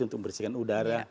untuk membersihkan udara